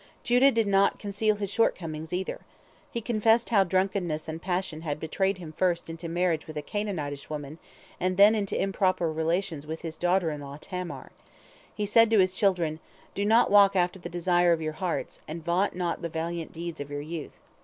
Judah did not conceal his shortcomings, either. He confessed how drunkenness and passion had betrayed him first into marriage with a Canaanitish woman, and then into improper relations with his daughter in law Tamar. He said to his children: "Do not walk after the desire of your hearts, and vaunt not the valiant deeds of your youth.